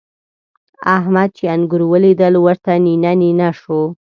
احمد چې انګور وليدل؛ ورته نينه نينه شو.